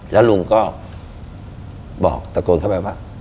แล้วลุงก็บอกตะโกนเข้าไปว่า